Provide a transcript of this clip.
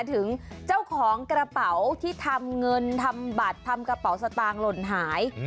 ถึงเจ้าของกระเป๋าที่ทำเงินทำบัตรทำกระเป๋าสตางค์หล่นหาย